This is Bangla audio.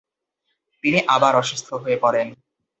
তিনি আবার অসুস্থ হয়ে পড়েন।